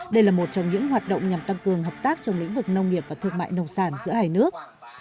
đây là một trong những hoạt động nhằm tăng cường hợp tác trong lĩnh vực nông nghiệp và thương mại nông sản giữa hai nước